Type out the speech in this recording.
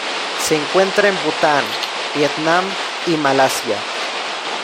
Se encuentra en Bután, Vietnam y Malasia.